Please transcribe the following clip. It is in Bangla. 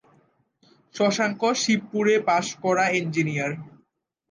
শশাঙ্ক শিবপুরে পাস-করা এঞ্জিনিয়ার।